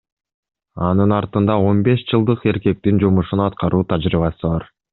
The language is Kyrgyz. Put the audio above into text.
Анын артында он беш жылдык эркектин жумушун аткаруу тажрыйбасы бар.